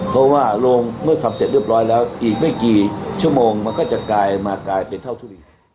เพราะว่าโรงเมื่อทำเสร็จเรียบร้อยแล้วอีกไม่กี่ชั่วโมงมันก็จะกลายมากลายเป็นเท่าทุเรียน